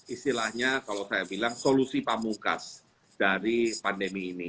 istilahnya kalau saya bilang solusi pamungkas dari pandemi ini